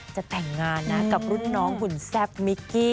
จะแต่งงานนะกับรุ่นน้องหุ่นแซ่บมิกกี้